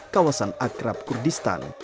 kawasan akrab kurdistan